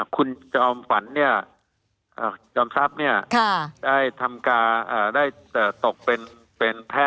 คุณจอมฝันจอมทรัพย์ได้ตกเป็นแพ้